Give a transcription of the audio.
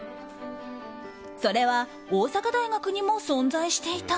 それは大阪大学にも存在していた。